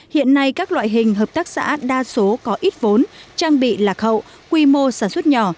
hiện nay các loại hình hợp tác xã đa số có ít vốn trang bị lạc hậu quy mô sản xuất nhỏ